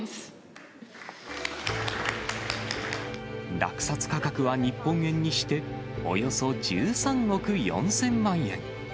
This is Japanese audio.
落札価格は日本円にしておよそ１３億４０００万円。